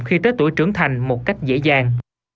khi tới tuổi trưởng thành một cách dễ dàng